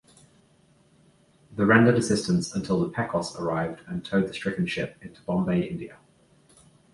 The rendered assistance until "Pecos" arrived and towed the stricken ship into Bombay, India.